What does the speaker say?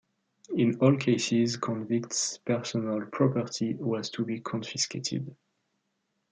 In all cases convicts' personal property was to be confiscated.